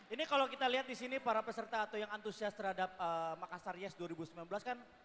ini kalau kita lihat di sini para peserta atau yang antusias terhadap makassar yes dua ribu sembilan belas kan